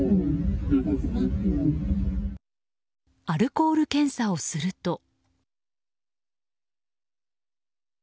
アルコール検査をすると。